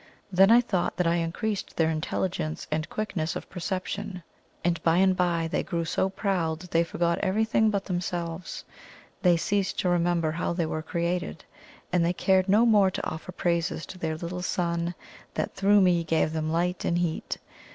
Then I thought that I increased their intelligence and quickness of perception, and by and by they grew so proud that they forgot everything but themselves. They ceased to remember how they were created, and they cared no more to offer praises to their little sun that through me gave them light and heat.